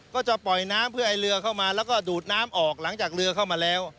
ก็จะปล่อยน้ำเพื่อให้เรือเข้ามาแล้วก็ดูดน้ำออกหลังจากเรือเข้ามาแล้ว